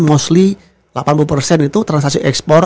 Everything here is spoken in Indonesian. mungkin delapan puluh itu transaksi ekspor